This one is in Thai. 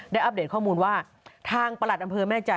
อัปเดตข้อมูลว่าทางประหลัดอำเภอแม่ใจ